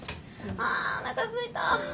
あおなかすいた！